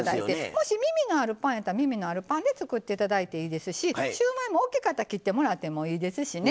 もしみみがあるパンやったらみみのあるパンで作って頂いていいですしシューマイも大きかったら切ってもらってもいいですしね